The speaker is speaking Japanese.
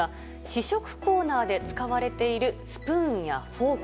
試食コーナーで使われているスプーンやフォーク。